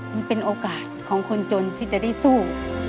มันเป็นโอกาสของคนจนที่จะได้สู้